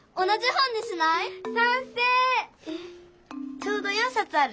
ちょうど４さつある！